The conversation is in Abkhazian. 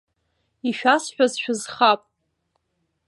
Ишәасҳәаз шәызхап.